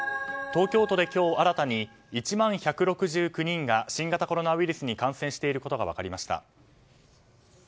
東京都で今日新たに１万１６９人が新型コロナウイルスに感染していることが分かりました。